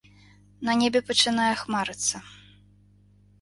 На небе пачынае хмарыцца.